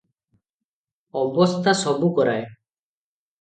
ଅବସ୍ଥା ସବୁ କରାଏ ।